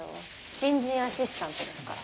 新人アシスタントですから。